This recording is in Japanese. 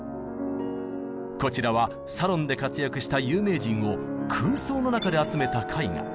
こちらはサロンで活躍した有名人を空想の中で集めた絵画。